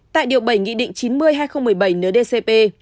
tại điều bảy nghị định chín mươi hai nghìn một mươi bảy ndcp